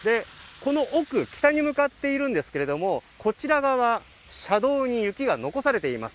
この奥北に向かっているんですけどもこちら側車道に雪が残されています。